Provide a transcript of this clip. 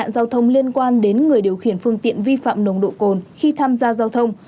giao thông liên quan đến người điều khiển phương tiện vi phạm nồng độ cồn khi tham gia giao thông